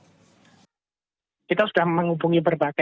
kita sudah menghubungi perusahaan